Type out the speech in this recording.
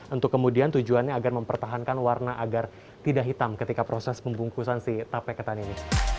untuk kemudian tujuannya agar mempertahankan warna agar tidak hitam ketika proses pembungkusan si tape ketan ini